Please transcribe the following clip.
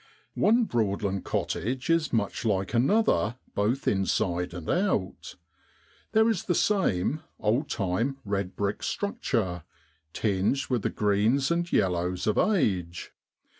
One Broadland cottage is much like another both inside and out. There is 126 NOVEMBER IN SROADLAND. the same old time red brick structure, tinged with the greens and yellows of age.